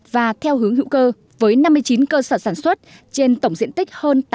và theo hướng hữu cơ với năm mươi chín cơ sở sản xuất trên tổng diện tích hơn tám mươi